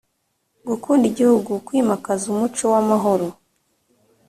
gukunda igihugu, kwimakaza umuco w’amahoro